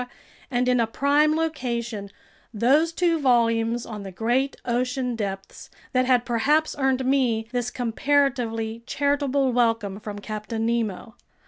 and in a prime location, those two volumes on the great ocean depths that had perhaps earned me this comparatively charitable welcome from Captain Nemo.